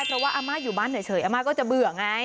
เพราะว่าอาม่าอยู่บ้านเฉยอาม่าก็จะเบื่อไง